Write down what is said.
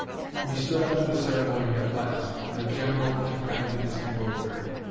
We stood up to the ceremony at last, in a general and kindly discomposure.